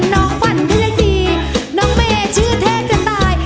น้องฝั่นเพื่อยดีน้องเมชื่อเทกกันตาย